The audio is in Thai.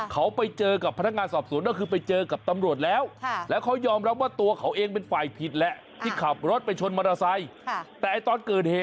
เขาไปเจอกับพนักงานศอบสนนี่